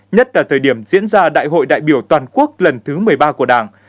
nhất là thời điểm diễn ra đại hội đại biểu toàn quốc lần thứ một mươi ba của đảng